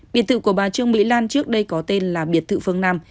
biệt thự của bà trương mỹ lan trước đây có tên là biệt thự phương nam